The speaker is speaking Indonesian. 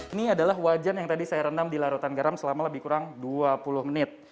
ini adalah wajan yang tadi saya rendam di larutan garam selama lebih kurang dua puluh menit